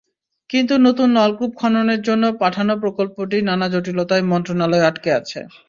কিন্তু নতুন নলকূপ খননের জন্য পাঠানো প্রকল্পটি নানা জটিলতায় মন্ত্রণালয়ে আটকে আছে।